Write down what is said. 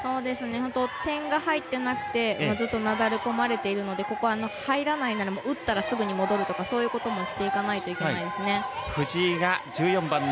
本当、点が入ってなくてずっとなだれ込まれているのでここは入らないなら打ったらすぐに戻るとかそういうこともしていかないといけないですね。